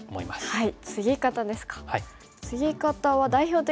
はい。